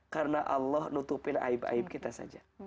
karena allah nutupin aib aib kita saja